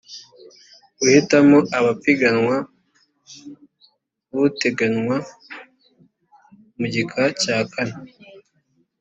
guhitamo abapiganwa butegnywa mu gika cya kane